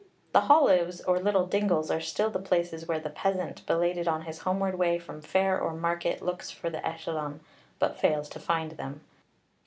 The hollows, or little dingles, are still the places where the peasant, belated on his homeward way from fair or market, looks for the ellyllon, but fails to find them.